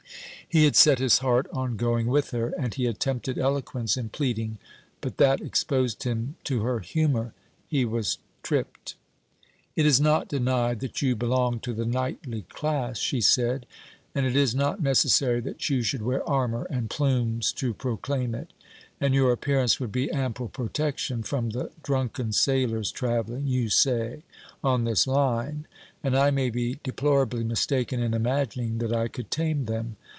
He had set his heart on going with her, and he attempted eloquence in pleading, but that exposed him to her humour; he was tripped. 'It is not denied that you belong to the knightly class,' she said; 'and it is not necessary that you should wear armour and plumes to proclaim it; and your appearance would be ample protection from the drunken sailors travelling, you say, on this line; and I may be deplorably mistaken in imagining that I could tame them.